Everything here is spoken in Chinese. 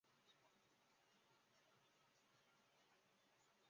塞尔梅里厄。